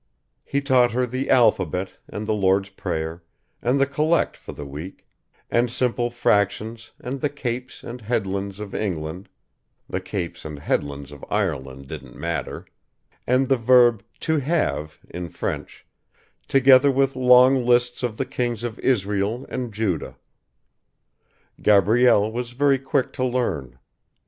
He taught her the alphabet and the Lord's Prayer, and the collect for the week, and simple fractions and the capes and headlands of England (the capes and headlands of Ireland didn't matter) and the verb "to have" in French, together with long lists of the kings of Israel and Judah. Gabrielle was very quick to learn.